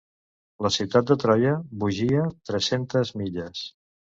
La ciutat de Troia vogia tres-centes milles.